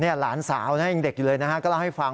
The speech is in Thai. หลานสาวยังเด็กอยู่เลยนะฮะก็เล่าให้ฟัง